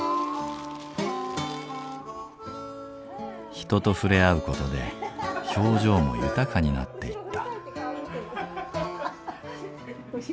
人と触れ合う事で表情も豊かになっていった。